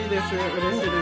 うれしいです。